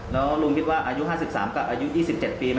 แล้วลุงคิดว่าอายุห้าสิบสามกับอายุยี่สิบเจ็ดปี